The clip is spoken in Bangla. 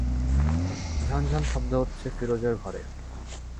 ঝন ঝন শব্দ হচ্ছে ফিরোজের ঘরে।